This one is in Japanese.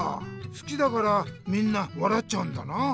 すきだからみんな笑っちゃうんだな。